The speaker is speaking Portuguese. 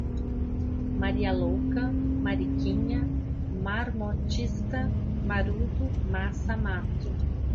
maria louca, mariquinha, marmotista, marrudo, massa, mato